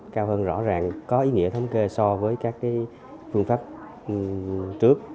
cao hơn rõ ràng có ý nghĩa thống kê so với các phương pháp trước